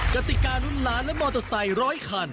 กติการุ่นล้านและมอเตอร์ไซค์ร้อยคัน